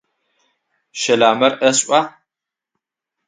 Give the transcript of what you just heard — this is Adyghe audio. Щэламэр ӏэшӏуа?